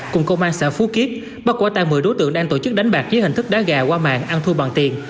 cùng công an xã phú kiếp bắt quả tăng một mươi đối tượng đang tổ chức đánh bạc dưới hình thức đá gà qua mạng ăn thua bằng tiền